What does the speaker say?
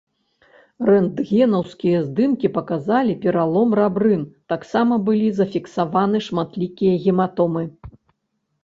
Рэнтгенаўскія здымкі паказалі пералом рабрын, таксама былі зафіксаваны шматлікія гематомы.